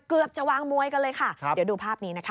เกือบจะวางมวยกันเลยค่ะเดี๋ยวดูภาพนี้นะคะ